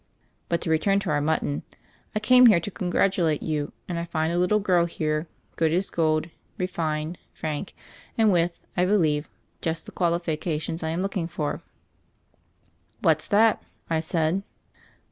"But to return to our mutton. I came here to congratulate you and I find a little girl here, good as gold, refined, frank, and with, I believe, just the qualifications I am looking for." "What's that?" I said.